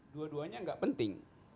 dua duanya enggak penting